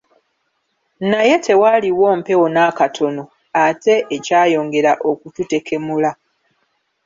Naye tewaali mpewo n'akatono, ate ekyayongera okututekemula.